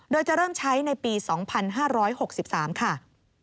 โดยจะเริ่มใช้ในปี๒๕๖๓ค่ะ